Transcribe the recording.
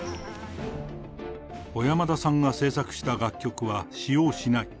小山田さんが制作した楽曲は使用しない。